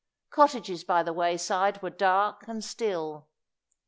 Cottages by the wayside were dark and still.